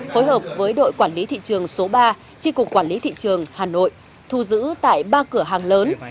phối hợp với đội quản lý thị trường số ba tri cục quản lý thị trường hà nội thu giữ tại ba cửa hàng lớn